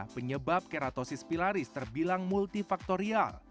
penyebab keratosis pilaris terbilang multifaktorial